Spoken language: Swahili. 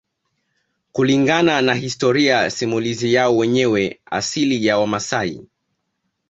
Kulingana na historia simulizi yao wenyewe asili ya Wamasai